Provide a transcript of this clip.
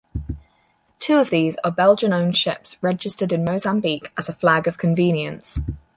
Two of these are Belgian-owned ships registered in Mozambique as a flag of convenience.